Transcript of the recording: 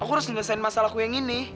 aku harus menyelesaikan masalahku yang ini